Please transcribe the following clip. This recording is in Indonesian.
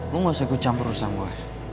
lo gak usah gue campur urusan gue